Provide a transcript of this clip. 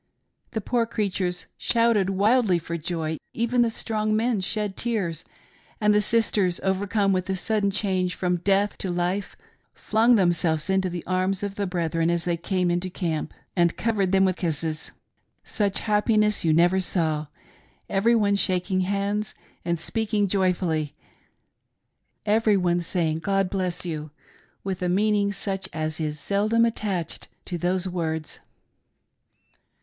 The poor creatures shouted wildly for joy, even the strong men shed tears, and the sisters, overcome with the sudden change from death to life, flung themselves into the arms of the brethren as they came into 234 DISTRIBUTING THE SUPPLIES. the camp and covered them with kisses. Such happiness you never saw— everyone shaking hands and speaking joyfully — everyone saying ' God bless you ' with a meaning such as is sddom attached to those words.